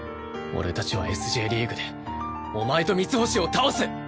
俺たちはＳ／Ｊリーグでお前とミツホシを倒す！